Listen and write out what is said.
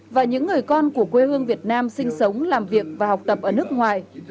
và những người con của quê hương việt nam sinh sống làm việc và học tập ở nước ngoài